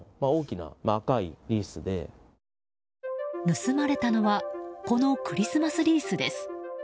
盗まれたのはこのクリスマスリースです。